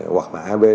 hoặc là ab